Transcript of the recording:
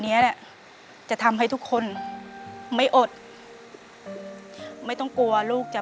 เปลี่ยนเพลงเพลงเก่งของคุณและข้ามผิดได้๑คำ